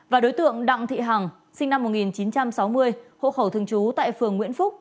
và đối tượng đặng thị hằng sinh năm một nghìn chín trăm sáu mươi hộ khẩu thường trú tại phường nguyễn phúc